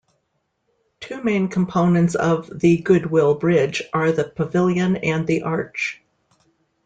Two main components of The Goodwill Bridge are the pavilion and the arch.